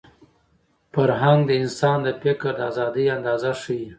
فرهنګ د انسان د فکر د ازادۍ اندازه ښيي.